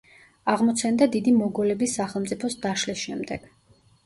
აღმოცენდა დიდი მოგოლების სახელმწიფოს დაშლის შემდეგ.